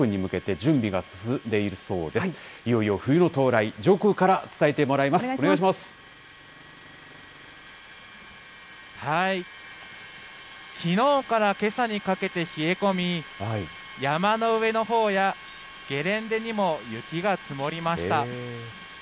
きのうからけさにかけて冷え込み、山の上のほうやゲレンデにも、雪が積もりました。